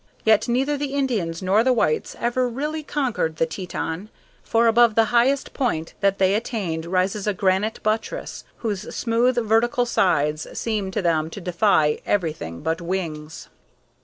Yet neither the Indians nor the whites ever really conquered the Teton, for above the highest point that they attained rises a granite buttress, whose smooth vertical sides seemed to them to defy everything but wings.